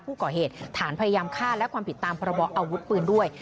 ผู้ก่อเหตุฐานพยายามฆ่าและความผิดตามพระบอบอาวุธปืนด้วย